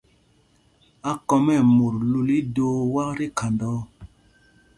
Ákɔm ɛ́ mot lul ídoo wak tí khanda ɔ.